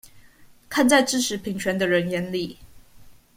看在支持平權的人眼裡